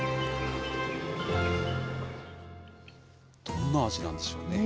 どんな味なんでしょうね。